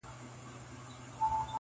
يو بل نظر وړلاندي کيږي تل,